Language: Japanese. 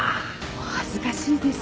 お恥ずかしいです。